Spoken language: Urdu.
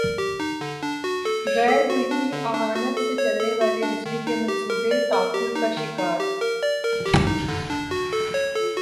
غیر ملکی مالی اعانت سے چلنے والے بجلی کے منصوبے تعطل کا شکار